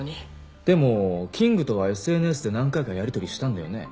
でもキングとはＳＮＳで何回かやり取りしたんだよね？